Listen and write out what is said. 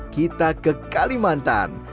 kita ke kalimantan